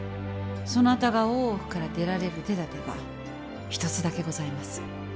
そなたが大奥から出られる手だてが一つだけございます。